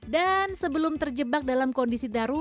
dan sebelum terjebak dalam kondisi darurat diwujudkan